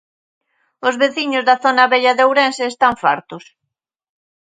Os veciños da zona vella de Ourense están fartos.